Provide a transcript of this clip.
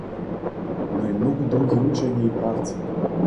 Но и многу други учења и правци.